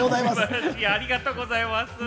ありがとうございます。